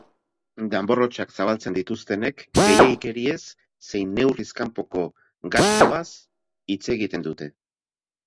Danbor-hotsak zabaltzen dituztenek gehiegikeriez zein neurriz kanpoko gastuaz hitz egiten dute.